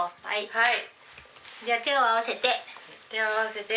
はい。